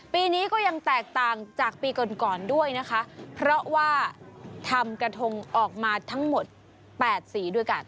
ปีนี้ก็ยังแตกต่างจากปีก่อนก่อนด้วยนะคะเพราะว่าทำกระทงออกมาทั้งหมด๘สีด้วยกัน